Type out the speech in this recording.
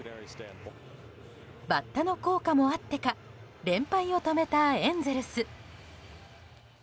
バッタの効果があってか連敗を止めたエンゼルス。